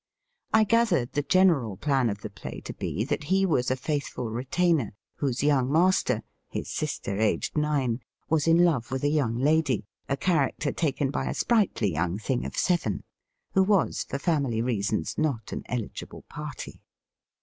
I gathered the general plan of the play to be that he was a faithful retainer, whose young master (his sister, aged nine) was in love with a young lady, a character taken by a sprightly young thing of seven, who was, « for family reasons, not an eligible party.